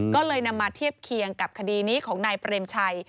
ก็เลยนำมาเทียบเคียงกับคดีนี้ของนายเปรมชัย